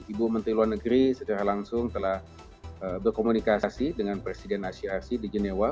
ibu menteri luar negeri secara langsung telah berkomunikasi dengan presiden asia di genewa